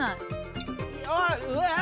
うわ！